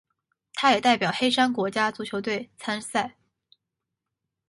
他也代表黑山国家足球队参赛。